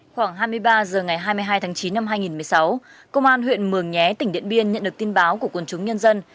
khoảng hai mươi ba h ngày hai mươi hai tháng chín năm hai nghìn một mươi sáu công an huyện mường nhé tỉnh điện biên nhận được tin báo của quân chúng nhân dân